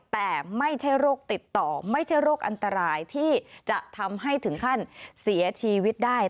แต่ไม่ใช่โรคติดต่อไม่ใช่โรคอันตรายที่จะทำให้ถึงขั้นเสียชีวิตได้